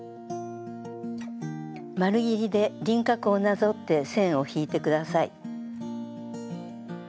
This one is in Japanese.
丸ぎりで輪郭をなぞって線を引いて下さい。